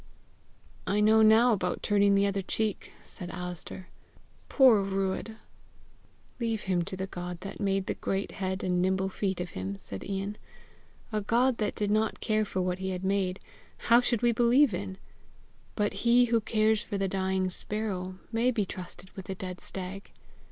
"I know now about turning the other cheek!" said Alister. " Poor Euadh!" "Leave him to the God that made the great head and nimble feet of him," said Ian. "A God that did not care for what he had made, how should we believe in! but he who cares for the dying sparrow, may be trusted with the dead stag."